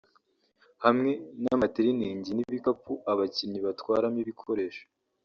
hamwe n’amatiliningi n’ibikapu abakinnyi batwaramo ibikoresho